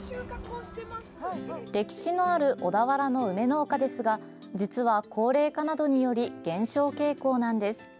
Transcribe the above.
歴史のある小田原の梅農家ですが実は高齢化などにより減少傾向なんです。